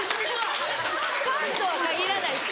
パンとは限らないです。